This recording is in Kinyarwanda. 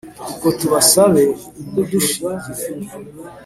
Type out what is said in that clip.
uko tubasabe mumudushingire